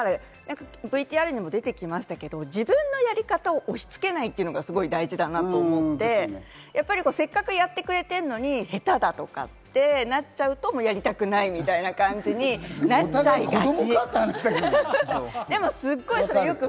ＶＴＲにも出てきましたが、自分のやり方を押し付けないというのが大事だなと思って、せっかくやってくれてるのに下手だとかってなっちゃうとやりたくないみたいな感じになっちゃいますよね。